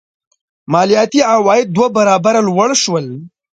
مالیاتي عواید دوه برابره لوړ شول.